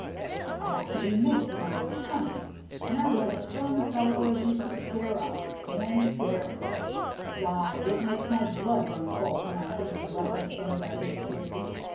"I got to be mate when I was twenty, and I was as strong a fellow as you could scare up, and darin'! why, it makes my blood run cold when I think of the reckless things I used to do.